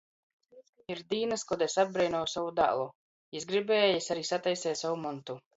Ir dīnys, kod es apbreinoju sovu dālu. Jis gribēja, jis ari sataiseja sev montu.